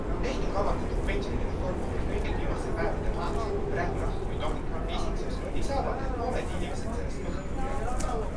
Ehkki kavandatav pensionireform on meil kõigil viimastel päevadel hambus nagu brändrahn või Donald Trumpi isiksus, ei saa vaat et pooled inimestest sellest mõhkugi aru.